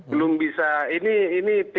belum bisa ini tim kami masih mengidentifikasikan